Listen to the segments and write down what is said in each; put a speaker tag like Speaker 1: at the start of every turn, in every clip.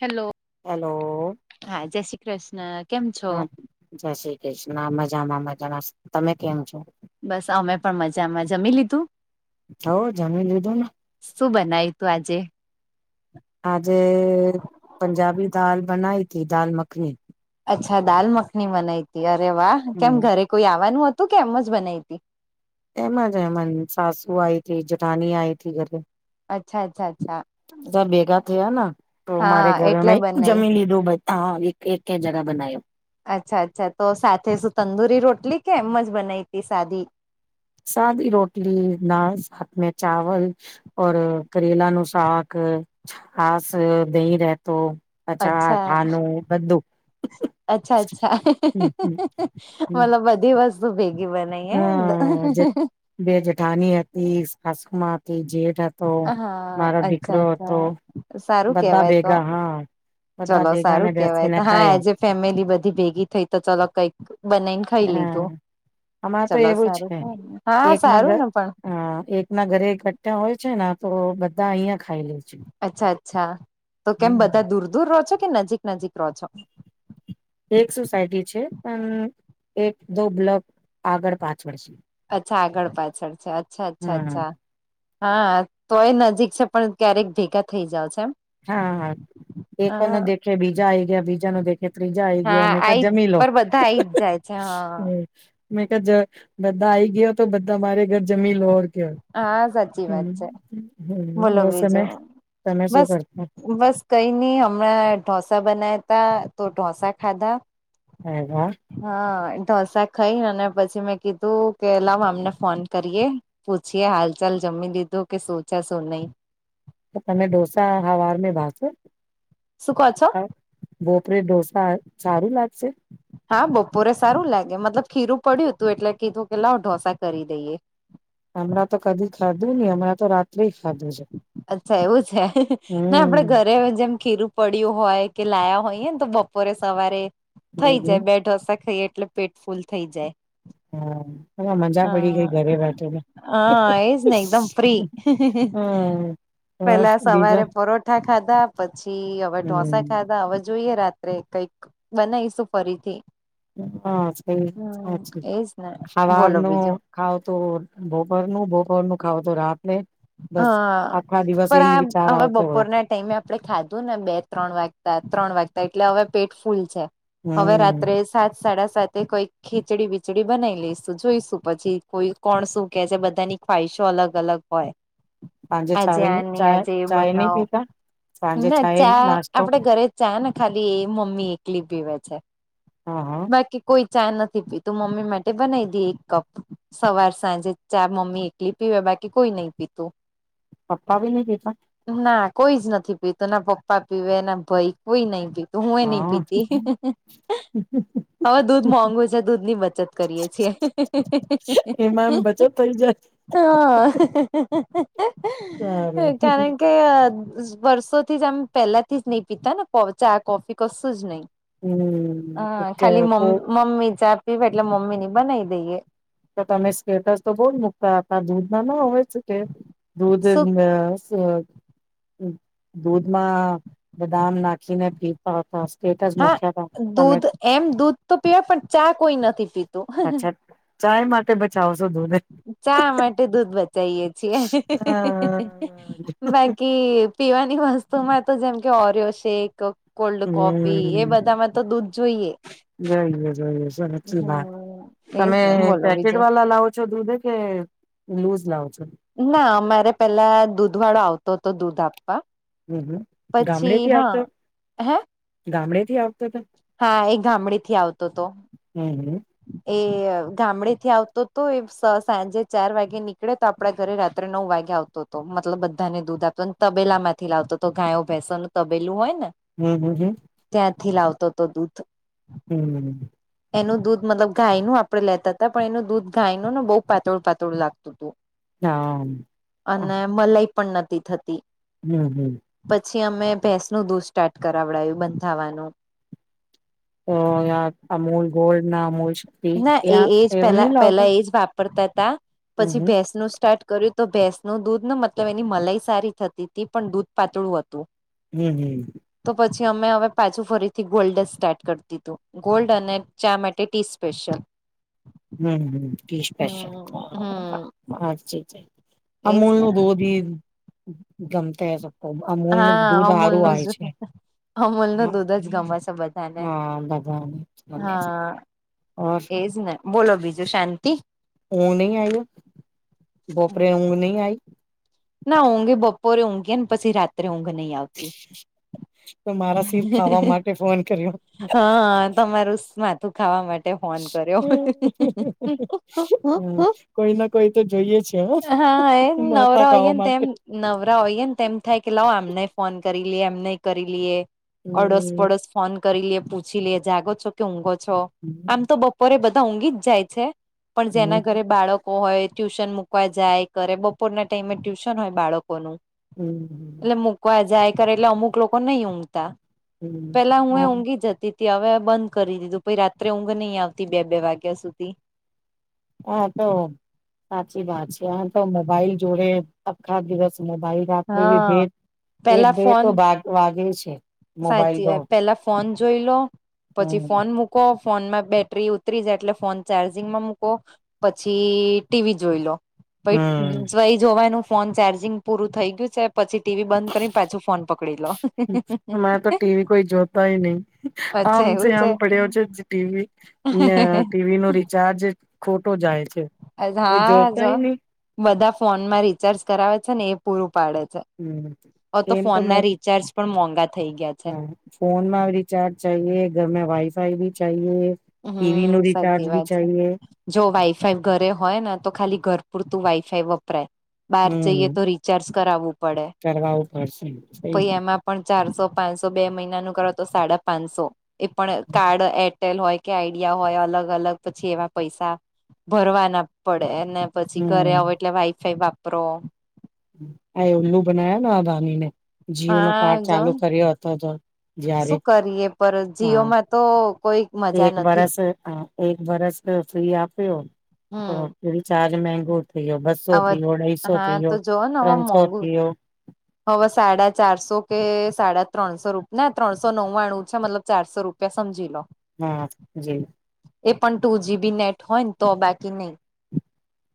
Speaker 1: Hello!
Speaker 2: Hello!
Speaker 1: હા જય શ્રી કૃષ્ણ કેમ છો?
Speaker 2: હા જય શ્રી કૃષ્ણ, આ મજામાં મજામાં, તમે કેમ છો?
Speaker 1: બસ અમે પણ મજામાં જમી લીધું?
Speaker 2: હ જમી લીધું ને.
Speaker 1: શું બનાવ તું આજે?
Speaker 2: આજે પંજાબી દાલ બનાઈ તી, દાલ મખની
Speaker 1: અચ્છા દાલ મખની બનાવી હતી અરે વાહ કેમ
Speaker 2: હમ
Speaker 1: ઘરે કોઈ આવવાનું હતું કે એમ જ બનાવી હતી?
Speaker 2: એમજ એમ સાસુ આઈ તથી જઠાની આઈ તથી ઘરે.
Speaker 1: અચ્છા અચ્છા અચ્છા!
Speaker 2: ભેગા થયા ને તો
Speaker 1: હા
Speaker 2: મારે
Speaker 1: એટલે
Speaker 2: ઘરે
Speaker 1: બનાઈ
Speaker 2: જમીન લીધું. હા એક એક ક્યા જગ બનાએ.
Speaker 1: અચ્છા અચ્છા તો સાથે શું તંદુરી રોટલી કે એમ જ બનાવી ત સાદી?
Speaker 2: સાદી રોટલી, દાળ, સાથે ચાવલ ઓર કરેલા નુ સાક છાસ દહી રેતો અચાર
Speaker 1: અચ્છા
Speaker 2: અથાનું બધું.
Speaker 1: અચ્છા અચ્છા
Speaker 2: હમ હમ હમ
Speaker 1: મતલબ બધી વસ્ત ભેગી બને,
Speaker 2: હા જે બે જેઠાની હતી સાસુમા હતી જેઠ હતી તો
Speaker 1: હા
Speaker 2: મારો
Speaker 1: અચ્છા
Speaker 2: દીકરો હતો
Speaker 1: અચ્છા સારું
Speaker 2: બધા
Speaker 1: કેવાય તો
Speaker 2: ભેગા હા બધા
Speaker 1: ચલો
Speaker 2: ભેગા ને
Speaker 1: સારું કેવાય
Speaker 2: બેસીને
Speaker 1: તો હા
Speaker 2: ખાયા
Speaker 1: એજ એ ફેમિલી બધી ભેગી થઈ તો ચલો કઈક બનાઈને ખાઈ
Speaker 2: હા
Speaker 1: લીધું
Speaker 2: આમાં તો
Speaker 1: ચલો
Speaker 2: એવું
Speaker 1: સારું હા સારું ને પણ
Speaker 2: હ એક ના ઘરે કટા હોય છે ને તો બધા અહિયાં ખાઈ લેજ
Speaker 1: અચ્છા અચ્છા તો કેમ બધા દૂર દૂર રહો છો કે નજીક નજીક રહો છો
Speaker 2: એક સોસાયટી છે પણ એક દો બ્લોક આગળ પાછળ છે.
Speaker 1: અચ્છા આગળ પાછળ છે અચ્છા અચ્છા
Speaker 2: હમ
Speaker 1: અચ્છા હા તોય નજીક છે પણ ક્યારેક ભેગા થઈ જાવ છો એમ
Speaker 2: હા હા એકનું દખે બીજા આઈ ગયા બીજા ન દખ ત્રીજા આઈ ગયા
Speaker 1: હા
Speaker 2: હમેખા
Speaker 1: આઈ
Speaker 2: જમી લો
Speaker 1: પર બધા આઈ જ જાય છે હા
Speaker 2: હ મેં ક બધા આઈ ગયા તો બધા મારે ઘર જમી લોર કેય
Speaker 1: હા સાચી વાત છે બોલો
Speaker 2: ઓ સમય
Speaker 1: બીજું
Speaker 2: તમે શું
Speaker 1: બસ
Speaker 2: કરતા
Speaker 1: બસ કઈ નહી હમણાં ઢોસા બનાયા તા તો ઢોસા ખાધા
Speaker 2: અરે વાહ
Speaker 1: હા ઢોસા ખાઈ અને પછી મેં કીધું કે લાવ અમને ફોન કરીએ પૂછીએ હાલ ચાલ જમી લીધું કે શું છે શું નહી
Speaker 2: તમે ઢોસા હવાર ભાસો
Speaker 1: સુ કો છો
Speaker 2: ભોપરે ઢોસા સારું લાગશે
Speaker 1: હા બપોરે સારું લાગે મતલબ ખીરું પડ્યું હતું એટલે કીધું કે લાવ ઢોસા કરી દઈએ
Speaker 2: હમણાં તો કદી ખાધું નહી હમણાં તો રાત્રે ખાધું છે
Speaker 1: અચ્છા એવું છે ના આપડે
Speaker 2: હમ
Speaker 1: ઘરે જેમ ખીરું પડ્યું હોય કે લાયા હોયને તો બપોરે સવારે થઈ
Speaker 2: હમ
Speaker 1: જાય બે ઢોસા ખાઈ એટલે પેટફુલ થઈ જાય
Speaker 2: હા હ મજા પડી ગઈ ઘરે બેઠે ને
Speaker 1: હ હા એજ ને એકદમ ફ્રી
Speaker 2: હા બસ
Speaker 1: પેલા
Speaker 2: બીજા
Speaker 1: સવારે પરોઠ ઠા ખાધા પછી હવે ઢોસા
Speaker 2: હમ
Speaker 1: ખાધા હવે જોઈએ રાત્રે કઈક બનાવીશું ફરીથી
Speaker 2: હા સા છે
Speaker 1: હમ એજ ને
Speaker 2: ખવાર
Speaker 1: બોલો
Speaker 2: ન
Speaker 1: બીજું
Speaker 2: ખાવ તો બોપોરનું બપોરનું ખાવ તો રાતને બસ આખા
Speaker 1: હા
Speaker 2: દિવસ એ
Speaker 1: પણ
Speaker 2: વિચાર
Speaker 1: આ હવે
Speaker 2: આવતો હોય
Speaker 1: બપોરને ટાઈમે આપડે ખાધું ને બે ત્રણ વાગતા ત્રણ વાગતા એટલે હવે પેટ ફૂલ છે. હવે
Speaker 2: હમ
Speaker 1: રાત્રે સાત સાડા સાતે કોઈક ખીચડી બીચડી બનાવી લઈશું જોઈશું પછી કોઈ કોણ શું કે છે બધાની ખ્વાિશો અલગ અલગ હોય
Speaker 2: સાંજે
Speaker 1: આજે
Speaker 2: ચાય ની
Speaker 1: આની
Speaker 2: ચાય
Speaker 1: આજે એ
Speaker 2: ચાય નહી
Speaker 1: બનાવ
Speaker 2: પીતા સાંજે
Speaker 1: ના
Speaker 2: ચાય
Speaker 1: ચા
Speaker 2: નાસ્તો
Speaker 1: આપડે ઘરે ચા ને ખાલી એ મમ્મી એકલી પીવે છે.
Speaker 2: હા હા
Speaker 1: બાકી કોઈ ચા નથી પી તું મમ્મી માટે બનાવી દે એક કપ સવાર સાંજે ચા મમ્મી એકલી પીવે બાકી કોઈ નહી પીતું
Speaker 2: પપ્પા ભી નહીં પીતા
Speaker 1: ના કોઈ જ નથી પીતું ના પપ્પા પીવે ના ભાઈ કોઈ નઈ પીતુ તો હું એ નહી
Speaker 2: હા
Speaker 1: પીતી હવે દૂધ મોંઘુ છે દૂધ ની બચત કરીએ છીએ
Speaker 2: એમાં એમ બચત થઈ જાય
Speaker 1: હા
Speaker 2: સારું
Speaker 1: કારણ કે વર્ષોથી જ આમ પેલા થી જ નહી પીતા ને ચા કોફી કશું જ નહી હા ખાલીમ્
Speaker 2: હમ
Speaker 1: મમ્મી ચા પીવે એટલે મમ્મી ની બનાવી દઈએ
Speaker 2: તો તમે સ્કેટસ તો બો જ મૂકતા હતા દૂધમાં ના હોય કે દૂધ અ
Speaker 1: શું
Speaker 2: અ દૂધમાં બદામ ના ને પીટ.
Speaker 1: હા દૂધ એમ દૂધ તો પીવા પણ ચા કોઈ નથી પીત.
Speaker 2: અચ્છા ચાય માટે બચાવો છો દૂ ન.
Speaker 1: ચા માટે દૂધ બચીે છીએ બાકી. પીવાની વસ્તુ માં તો જેમ કે ઓરિયો શેક. કોલ્ડ કોફી એ
Speaker 2: હમ
Speaker 1: બધામાં તો દૂધ જોઈએ
Speaker 2: જોઈએ જોઈએ સાચી વાત
Speaker 1: હમ એજ
Speaker 2: તમે
Speaker 1: ને બોલો
Speaker 2: પેકેટ
Speaker 1: બીજું
Speaker 2: વાલા લાવો છો દૂધે? કે લુઝ લાવ છો?
Speaker 1: ના અમારે પેલા દૂધ વાળ આવતો તો દૂધ આપવા
Speaker 2: હમ હમ
Speaker 1: પછી હા હે
Speaker 2: ગામડેથી આવતો તો?
Speaker 1: હા એ ગામડેથી આવતોતો
Speaker 2: હમ હમ.
Speaker 1: એ ગામડે થી આવતો તો એ સ સાંજે ચાર વાગે નીકળે તો આપડા ઘરે રાત્રે નવ વાગે આવતો તો મતલબ બધાને દૂધ આપતો તબેલા માંથી લાવતો તો ગાયો ભેસન તબેલું હોય ને
Speaker 2: હમ હમ હમ.
Speaker 1: ત્યાંથી લાવતો તો દૂધ
Speaker 2: હમમ.
Speaker 1: એનું દૂધ મતલબ ગાયનુ આપણેે લેતા તા પણ એનું દૂધ ગાયનુ ને બહુ પાતળ પાતળું લાગ તુ તુ.
Speaker 2: હામ.
Speaker 1: અને મલાઈ પણ નથી થતી
Speaker 2: હમ હમ.
Speaker 1: પછી અમે ભેંસનું દૂધ સ્ટાર્ટ કરાવડાયું બંધાવાનું
Speaker 2: તો યાર અમૂલ ગોલ્ડના અમૂલ શક્તિ
Speaker 1: ના એ એજ
Speaker 2: નહી
Speaker 1: પેલા
Speaker 2: લાવતા
Speaker 1: પલા એજ વાપરતા તા
Speaker 2: હમ
Speaker 1: પછી
Speaker 2: હમ
Speaker 1: ભેસનું સ્ટાર્ટ કર્યું તો ભેંસ નું દૂધ ન મતલબ એની મલાઈ સારી થતી તી પણ દૂધ પાતળું હતું
Speaker 2: હમ હમ.
Speaker 1: તો પછી અમે હવે પાછું ફરીથી ગોલ્ડ સ્ટાર્ટ કરતી તું ગોલ્ડ અને ચા માટે ટી સ્પેશિયલ
Speaker 2: હમ હમ ટી સ્પેશલ
Speaker 1: હમ હમ
Speaker 2: અચ્છચ્
Speaker 1: એજ ને
Speaker 2: અમૂલનું દુદી ગમતે અમૂલ નું
Speaker 1: હા
Speaker 2: દૂધ
Speaker 1: અમૂલ
Speaker 2: હારું
Speaker 1: નું
Speaker 2: આય
Speaker 1: જ
Speaker 2: છે.
Speaker 1: અમૂલ નું દૂધ જ ગમે છે બધાને
Speaker 2: હા
Speaker 1: હા
Speaker 2: બરાબર [unintelligible]
Speaker 1: એજ ને બોલો બીજું શાંતિ?
Speaker 2: ઊઘ નહી આઈ બોપરે ઊઘ નઈ આઈ?
Speaker 1: ના ઊંઘે બપોરે ઊઘીન પછી રાત્રે ઊંઘ નહીં આવ
Speaker 2: તો મારા શિર ખાવા માટે ફોન કર્યો
Speaker 1: હા તમાર ઉસ્માત તું ખાવા માટે ફોન કર્યો
Speaker 2: હમ કોઈ ના કોઈ તો જોઈએે છે,
Speaker 1: હા એ
Speaker 2: માતા
Speaker 1: નવરા હોઈએ
Speaker 2: ખાવા
Speaker 1: ને
Speaker 2: માટે
Speaker 1: તેમ નવરા હોઈએ ન તેમ થાય કે લાવ આમને ફોન કરી લઈએ એમને કરી લઈએ અડસ
Speaker 2: હમ
Speaker 1: પડસ ફોન કરી લે પૂછી લે જાગો છો કે ઊંઘો છો આમ
Speaker 2: હમ
Speaker 1: તો બ પરે બધા ઊંઘી જ જાય છે, પણ જેના ઘરે બાળકો હોય ટ્યુશન મુ કવા જાય કરે બપોરના ટાઈમે ટ્યુશન હોય બાળકોનું
Speaker 2: હમ
Speaker 1: એટલે મુ કવા જાય કરે એટલે અમુક લોકો નહી ઊંઘતા
Speaker 2: હમ
Speaker 1: પેલા હું એ
Speaker 2: હા
Speaker 1: ઊંઘી જતી તી હવે બંધ કરી દીધું પહી રાત્રે ઊંઘ નહીં આવતી બે બે વાગ્યા સુધી
Speaker 2: હા તો સાચી વાત છે, આ તો મોબાઈલ જોડે અખા દિવસ મોબાઇલ રાત્રે
Speaker 1: હા
Speaker 2: [unintelligible] એક
Speaker 1: પેલા
Speaker 2: બે તો
Speaker 1: ફોન
Speaker 2: વા વાગે છે. મોબાઈલ
Speaker 1: સાચી
Speaker 2: તો
Speaker 1: પેલા ફોન જોઈ લો પછી
Speaker 2: હમ
Speaker 1: ફોન મુ કો ફોનમાં બેટરી ઉતરી જાય એટલે ફોન ચાર્જિંગમાં મૂકો પછી ટીવી જોઈ લો
Speaker 2: હમ
Speaker 1: ભાઈ જય જોવાનું ફોન ચાર્જિંગ પૂરું થઈ ગયું છે પછી ટીવી બંધ કરી પાછું ફોન પકડી લો
Speaker 2: મારે તો ટીવી કોઈ જોતાય નહી આમ
Speaker 1: અચ્છા
Speaker 2: સ
Speaker 1: એવું છે
Speaker 2: આમ પડ્યો છે ટીવી ને ટીવી નો રિચાર્જ ખોટો જાય છે કોઈ
Speaker 1: હા જો
Speaker 2: જોતાય નહી
Speaker 1: બધા ફોનમાં રિચાર્જ કરાવે છે ને એ પૂરું પાડે છે
Speaker 2: હમ
Speaker 1: હવે તો ફોન ના રિચાર્જ પણ મોંઘા થઈ ગયા છે
Speaker 2: હા ફોનમાં રિચાર્જ ચાહીએ ઘરમે વાઇફાઈ ભી ચાહીએ ટીવી
Speaker 1: હમ
Speaker 2: નું
Speaker 1: સાચી
Speaker 2: રિચાર્જ ભી
Speaker 1: વાત છે
Speaker 2: ચાહીએ
Speaker 1: જો વાઈફાઈ ઘરે હોય ને તો ખાલી ઘર પૂરતું વાઈફાઈ બહાર
Speaker 2: હમ
Speaker 1: જઈએ તો રીચાર્જ કરાવવું પડે
Speaker 2: કરવાવું પડશે સહી
Speaker 1: પ
Speaker 2: વાત.
Speaker 1: એમાં પણ ચારસો પાંચસો બે મહિના નું કરો તો સાડા પાંચસો એ પણ કાર્ડ એરટેલ હોય કે આઈડિયા હોય અલગ અલગ પછી એમાં પૈસા ભરવા ના પડે અને પછી ઘરે
Speaker 2: હમ
Speaker 1: આવો એટલે વાઈફાઈ વાપરો
Speaker 2: એ ઉલ્લુ બનાયા ના અદાનીને જીઓ નો
Speaker 1: હા
Speaker 2: કાર્ડ ચાલુ
Speaker 1: જોન
Speaker 2: કર્યો હતો જ્યારે
Speaker 1: શું કરીએ પર
Speaker 2: હા
Speaker 1: જીઓમાં તો કોઈ મજા
Speaker 2: એક
Speaker 1: નથી
Speaker 2: વરસ એક વરસ ફી આપ્યો
Speaker 1: હમ
Speaker 2: ચાર્જ મહેંગો થયો બસો
Speaker 1: હવે
Speaker 2: થયો અઢાઈસો
Speaker 1: હા
Speaker 2: થયો
Speaker 1: તો જોઓ ને હવે
Speaker 2: ત્રણસો
Speaker 1: મોંઘુ
Speaker 2: થયો
Speaker 1: હવે સાડા ચારસો કે સાડા ત્રણસો રૂપ ના ત્રણસો નવ્વાણું છે મતલબ ચારસો રૂપ સમજી લો
Speaker 2: હા જી
Speaker 1: એ પણ ટુ જીબી નેટ હોય ને તો બાકી નહી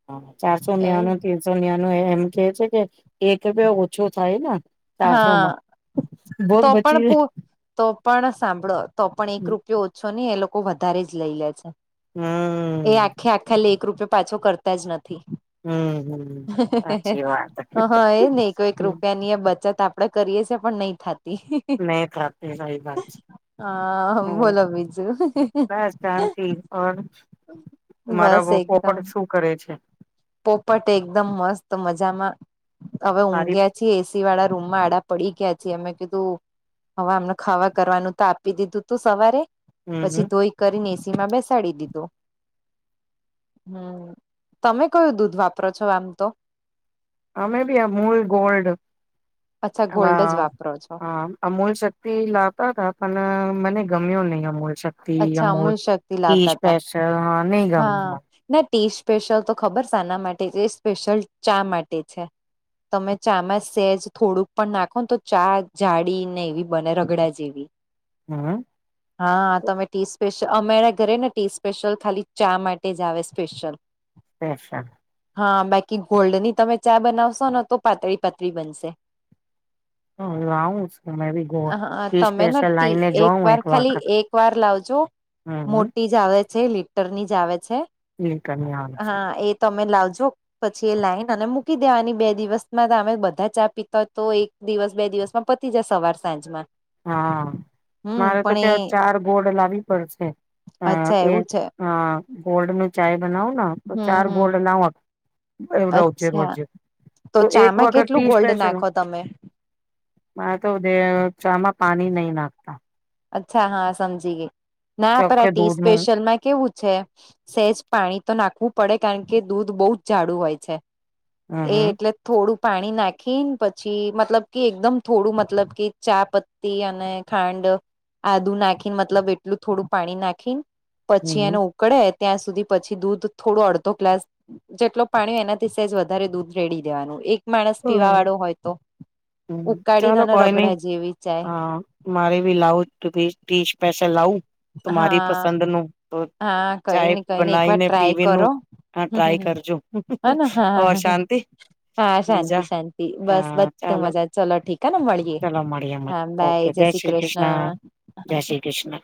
Speaker 2: હા ચારસો
Speaker 1: એ
Speaker 2: ન્યાનું તીનસો ન્યાનું એમ કે છે કે એક બે ઓછું થાય ને
Speaker 1: હા
Speaker 2: ચારસોમાં બહોત
Speaker 1: તો પણ
Speaker 2: બચીયુ હે
Speaker 1: પુ તો પણ સાંભળો તો પણ એક રૂપિયો ઓછો નહી એ લોકો વધારે જ લઈ લે છે એ
Speaker 2: હમ
Speaker 1: આખે આખા લે એક રૂપીયો પાછો કરતા જ નથી
Speaker 2: હમ સાચી વાત
Speaker 1: હા એજ નહી કોઈ રૂપિયા ની એ બ ચત આપડે કરીએ છીએ પણ નહી થાતી
Speaker 2: નહી થાતી આવી વાત છે
Speaker 1: હા
Speaker 2: હમ્મ
Speaker 1: બોલો બીજું
Speaker 2: બસ શાંતિ
Speaker 1: બસ
Speaker 2: તમારા
Speaker 1: એકદમ
Speaker 2: પોપટ શું કરે છે
Speaker 1: પોપટ એકદમ મસ્ત મજામાં હવે
Speaker 2: સારી
Speaker 1: ઊંઘ્યા પી એસી વાળા રૂમ માં આડા પડી ગયા છી અમે કીધું હવે આમને ખાવા કરવાનું તો આપી દીધું તું સવારે પછી
Speaker 2: હમ
Speaker 1: ધોઈ કરીને એસી માં બેસાડી દીધો હમ તમે કયું દૂધ વાપરો છો આમ તો
Speaker 2: અમે બી અમૂલ ગોલ્ડ
Speaker 1: અચ્છા
Speaker 2: હ
Speaker 1: ગોલ્ડ જ વાપરો છો
Speaker 2: હ અમૂલ તે લાવતા હતા પણ મને ગમ્યો નહી અમૂલ શ તી
Speaker 1: અચ્છા
Speaker 2: અમૂલ
Speaker 1: શક્તિ
Speaker 2: ટી
Speaker 1: લાવતા હતા
Speaker 2: સ્પેશલ હા નહી ગમી
Speaker 1: હા
Speaker 2: મને
Speaker 1: ના ટી સ્પેશ્યલ તો ખબર શાના માટે એ સ્પેશયલ ચા માટે છે તમે ચા માં સેજ થોડુંક પણ નાખો ને તો ચા જાડી ને એવી બને રગડા જેવી
Speaker 2: હમ
Speaker 1: હા તમે ટી સ્પેશ્યલ અમારા ઘરે ને ટી સ્પેશ્યલ ખાલી ચા માટે જ આવે સ્પેશ્યિલ.
Speaker 2: એશા.
Speaker 1: હા, બાકી ગોલ્ડની તમે ચા બનાવશો ને તો પાતળી પાતળી બનશે.
Speaker 2: [unintelligible] હ લાવું મે
Speaker 1: હા
Speaker 2: બી
Speaker 1: તમે ન
Speaker 2: સ્પેશિયલ
Speaker 1: ટી
Speaker 2: લાઈને જોઉ
Speaker 1: વાર
Speaker 2: એક
Speaker 1: ખાલી
Speaker 2: વખત
Speaker 1: એક વાર લાવજો
Speaker 2: હમ હમ
Speaker 1: મોટી જ આવે છે લીટર ની જ આવે છે
Speaker 2: લીટરની આવે છે.
Speaker 1: હા એ તમે લાવજો પછી એ લાઈને અને મૂકી દેવાની બે દિવસમાં અમે બધા ચા પીતા હોય તો એક દિવસ બે દિવસ માં પતી જાય સવાર સાંજ માં
Speaker 2: હા મારે તો કે ચાર ગોલ્ડ લાવવી પડશે અ
Speaker 1: અચ્છા
Speaker 2: એ
Speaker 1: એવું છે
Speaker 2: અ ગોલ્ડ ન ચાય બનાવું તો ચાર
Speaker 1: હમ હમ
Speaker 2: ગોલ્ડ લાવું રોજે
Speaker 1: અચ્છા
Speaker 2: રોજૅ તો એક
Speaker 1: ચામાં
Speaker 2: વખત
Speaker 1: કેટલું
Speaker 2: ટી
Speaker 1: ગોલ્ડ
Speaker 2: સ્પેશલ
Speaker 1: નાખો તમે
Speaker 2: મારે તો ચા માં પાણી નઈ નાખતા.
Speaker 1: અચ્છા, હા, સમજી ગઈ. ના, પર
Speaker 2: ચોખ્ખે
Speaker 1: ટી
Speaker 2: દૂધ નું
Speaker 1: સ્પેશલ મેં કેવું છે, સેજ પાણી તો નાખવું પડે, કારણ કે દૂધ બહુ જ જાડું હોય છે.
Speaker 2: હમ
Speaker 1: એ
Speaker 2: હમ
Speaker 1: એટલે થોડું પાણી નાખીને પછી, મતલબ કે એકદમ થોડું, મતલબ કે ચા ધી અને ખાંડ આદું નાખીને મતલબ એટલું થોડું પાણી નાખી
Speaker 2: હમ
Speaker 1: પછી એનું પકડે ત્યાં સુધી પછી દૂધ થોડો અડધો ગ્લાસ જેટલો પાણી હોય એનાથી સેજ વધારે દૂધ રેડી દેવાનું એક માણસ પીવા
Speaker 2: હમ
Speaker 1: વાળો હોય તો,
Speaker 2: હમ
Speaker 1: ઉકાળીને
Speaker 2: ચાલો
Speaker 1: અને
Speaker 2: કોઈ નઈ
Speaker 1: રગડા જેવી
Speaker 2: હ
Speaker 1: જાય.
Speaker 2: મારે બી લાવું સ્પેશલ લાવું તો મારી
Speaker 1: હા
Speaker 2: પસંદનું તો
Speaker 1: હા કઈ
Speaker 2: ચાય
Speaker 1: ને કઈ એક
Speaker 2: બનાઈ
Speaker 1: વાર
Speaker 2: ને
Speaker 1: ટ્રાય
Speaker 2: પીવીનું.
Speaker 1: કરો
Speaker 2: હા, ટ્રાય
Speaker 1: હમ
Speaker 2: કરજો
Speaker 1: હને
Speaker 2: હવ
Speaker 1: હા
Speaker 2: શાંતિ?
Speaker 1: હા, શાંતિ
Speaker 2: બીજા
Speaker 1: શાંતિ બસ
Speaker 2: હા
Speaker 1: બધું
Speaker 2: ચાલો
Speaker 1: મજા ચલો ઠીકાને મળીએે
Speaker 2: ચાલો મળીએ
Speaker 1: હા
Speaker 2: ઓકે
Speaker 1: બાય.
Speaker 2: જય શ્રી કૃષ્ણા, જય શ્રી કૃષ્ણા.